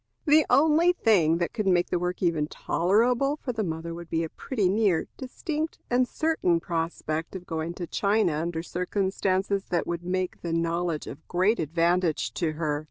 The only thing that could make the work even tolerable to the mother would be a pretty near, distinct, and certain prospect of going to China under circumstances that would make the knowledge of great advantage to her.